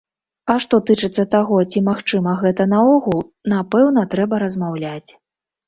А што тычыцца таго, ці магчыма гэта наогул, напэўна трэба размаўляць.